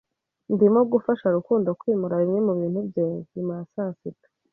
Ndimo gufasha Rukundo kwimura bimwe mubintu bye nyuma ya saa sita.